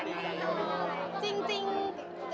รู้จักกันยังไง